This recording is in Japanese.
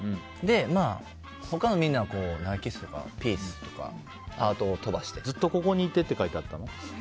他のみんなは投げキッスとかピースとかずっとここにいてって書いてあったの？